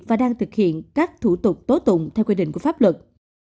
và đang thực hiện các thủ tục tố tụng theo quy định của pháp luật